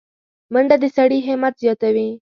منډه د سړي همت زیاتوي